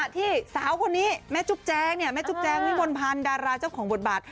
พวกนี้แม่จุ๊บแจงวิบลพรรณดาราเจ้าของบทบาท